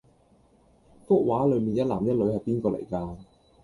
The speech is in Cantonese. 幅畫裡面一男一女係邊個嚟架？